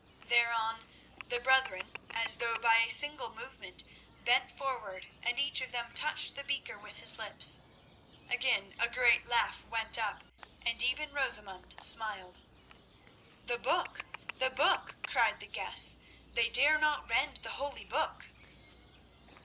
Thereon the brethren, as though by a single movement, bent forward and each of them touched the beaker with his lips. Again a great laugh went up, and even Rosamund smiled. "The book! the book!" cried the guests. "They dare not rend the holy book!"